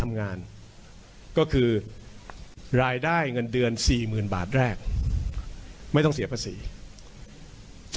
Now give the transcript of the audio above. ๔ล้านกว่าชีวิต